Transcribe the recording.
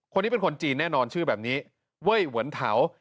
คนนี้เป็นคนจีนแน่นอนชื่อแบบนี้เว้ยหวนเถา